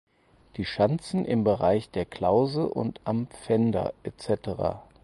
Die Schanzen im Bereich der Klause und am Pfänder etc.